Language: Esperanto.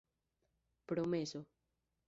Promeso.